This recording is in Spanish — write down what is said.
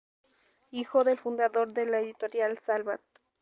Hijo del fundador de la Editorial Salvat.